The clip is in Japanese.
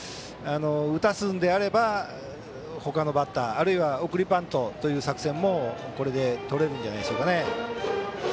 打たせるのであればほかのバッターあるいは送りバントという作戦もこれで、とれるんじゃないですか。